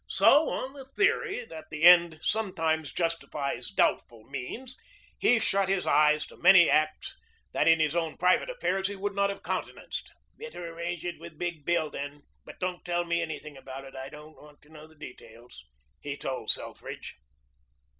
So, on the theory that the end sometimes justifies doubtful means, he shut his eyes to many acts that in his own private affairs he would not have countenanced. "Better arrange it with Big Bill, then, but don't tell me anything about it. I don't want to know the details," he told Selfridge.